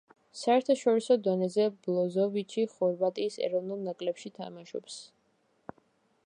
საერთაშორისო დონეზე ბროზოვიჩი ხორვატიის ეროვნულ ნაკრებში თამაშობს.